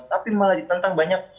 tapi malah ditentang banyak